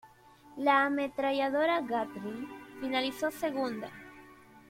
La ametralladora Gatling finalizó segunda.